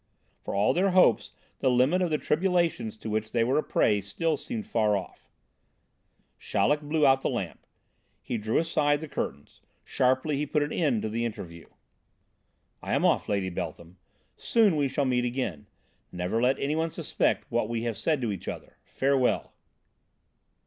For all their hopes the limit of the tribulations to which they were a prey seemed still far off. Chaleck blew out the lamp. He drew aside the curtains. Sharply he put an end to the interview: "I am off, Lady Beltham. Soon we shall meet again. Never let anyone suspect what we have said to each other Farewell."